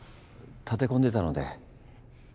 立て込んでたので。